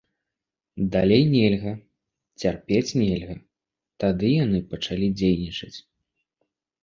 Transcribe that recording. Далей нельга, цярпець нельга, тады яны пачалі дзейнічаць.